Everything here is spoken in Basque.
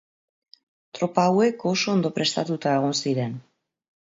Tropa hauek oso ondo prestatuta egon ziren.